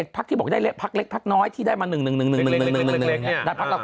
๑๑พักที่บอกได้พักเล็กพักน้อยที่ได้มา๑๑๑๑๑๑๑